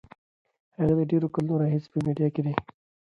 هغه د ډېرو کلونو راهیسې په میډیا کې دی.